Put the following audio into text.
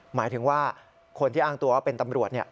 หมายถึงว่าคนที่อ้างตัวว่าเป็นตำรวจ